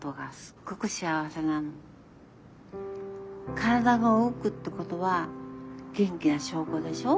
体が動くってことは元気な証拠でしょ。